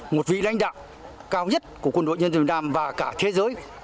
một vị lãnh đạo cao nhất của quân đội nhân dân việt nam và cả thế giới